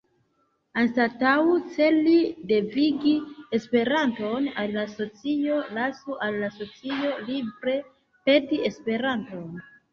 Anstataŭ celi devigi Esperanton al la socio, lasu al la socio libere peti Esperanton.